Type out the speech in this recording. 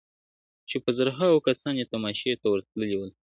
• چي په زرهاوو کسان یې تماشې ته وروتلي ول -